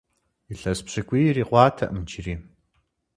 Илъэс пщыкӏуий ирикъуатэкъым иджыри.